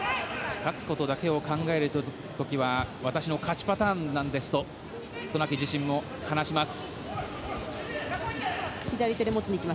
勝つことだけを考える時は私の勝ちパターンなんですと渡名喜自身も話します。